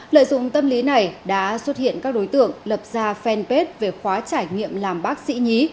lợi dụng tâm lý này đã xuất hiện các đối tượng lập ra fanpage về khóa trải nghiệm làm bác sĩ nhí